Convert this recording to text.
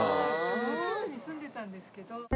近くに住んでたんですけど。